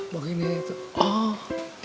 mau gini tuh